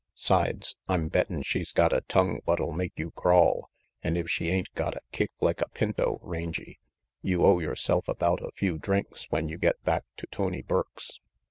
'Sides, I'm bettin' she's got a tongue what'll make you crawl, an' if she ain't got a kick like a pinto, Rangy, you owe yoreself about a few drinks when you get back to Tony Burke's.